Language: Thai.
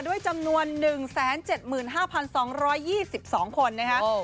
ด้วยจำนวนหนึ่งแสนเจ็ดหมื่นห้าพันสองร้อยยี่สิบสองคนนะฮะโอ้